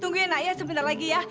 tunggu ya naya sebentar lagi ya